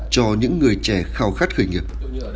cho những người trẻ khào khát khởi nghiệp